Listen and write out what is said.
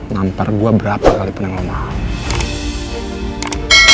nampar gua berapa kali pun yang lu mau